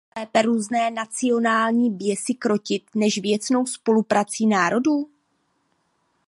Jak lépe různé nacionální běsy krotit než věcnou spoluprací národů?